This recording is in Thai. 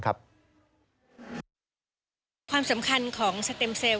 ความสำคัญของสเต็มเซลล